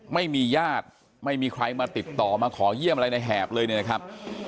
ไม่มีญาติไม่มีใครมาติดต่อมาขอเยี่ยมอะไรในแหบเลยนะครับ